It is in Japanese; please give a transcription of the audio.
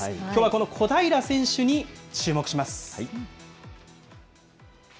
きょうはこの小平選手に注目します。